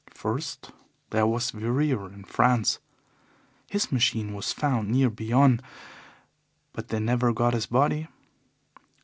First, there was Verrier in France; his machine was found near Bayonne, but they never got his body.